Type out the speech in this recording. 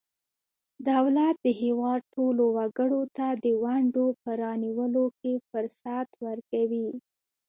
دولت د هیواد ټولو وګړو ته د ونډو په رانیولو کې فرصت ورکوي.